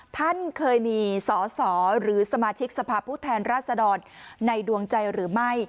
ท่านเคยมีสอสอหรือสมาชิกสภาพผู้แทนราชดรในดวงใจหรือไม่